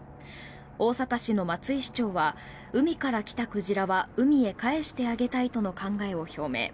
大阪市の松井市長は海から来た鯨は海へ返してあげたいとの考えを表明。